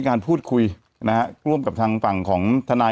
แต่หนูจะเอากับน้องเขามาแต่ว่า